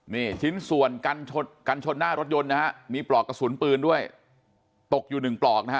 นี่ชิ้นส่วนกันชนกันชนหน้ารถยนต์นะฮะมีปลอกกระสุนปืนด้วยตกอยู่หนึ่งปลอกนะฮะ